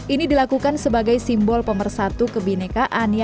ini dilakukan sebagai simbol pemersatu kebinekaan yang ada di bandara